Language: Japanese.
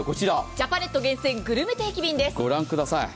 ジャパネット厳選グルメ定期便です。